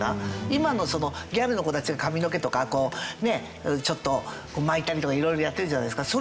今のギャルの子たちが髪の毛とかこうねえちょっと巻いたりとか色々やってるじゃないですか。